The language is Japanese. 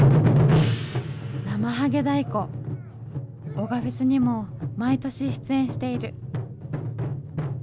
男鹿フェスにも毎年出演している。